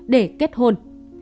để kết hôn